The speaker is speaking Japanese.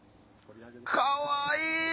かわいい！